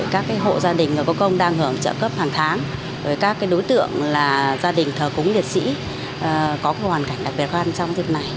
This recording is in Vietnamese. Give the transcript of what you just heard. các hộ gia đình có công đang ngưỡng trợ cấp hàng tháng các đối tượng là gia đình thờ cúng liệt sĩ có hoàn cảnh đặc biệt quan trong dịch này